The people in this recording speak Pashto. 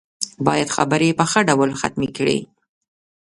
بايد خبرې په ښه ډول ختمې کړي.